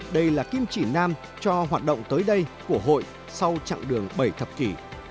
đây là kim chỉ nam cho hoạt động tới đây của hội sau chặng đường bảy thập kỷ